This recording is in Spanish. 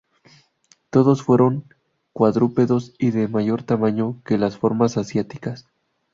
Todos fueron cuadrúpedos y de mayor tamaño que las formas asiáticas.